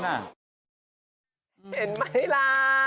เห็นไหมล่ะ